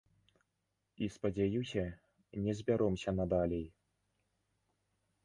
І, спадзяюся, не збяромся надалей.